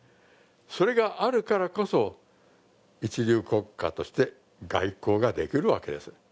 それがあるからこそ一流国家として外交ができるわけです。